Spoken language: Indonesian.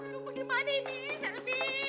lu bagaimana ini selby